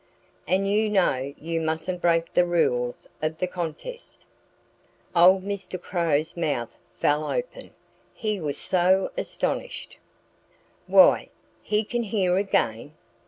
And you know you mustn't break the rules of the contest." Old Mr. Crow's mouth fell open, he was so astonished. "Why, he can hear again!"